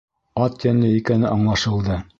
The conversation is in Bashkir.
Ат йәнле икәне аңлашылды.